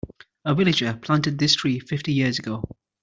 A villager planted this tree fifty years ago.